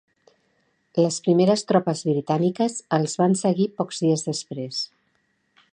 Les primeres tropes britàniques els van seguir pocs dies després.